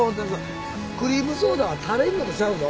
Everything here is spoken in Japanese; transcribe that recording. クリームソーダは食べんのとちゃうぞ。